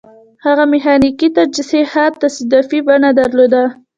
هغه میخانیکي تجهیزات تصادفي بڼه درلوده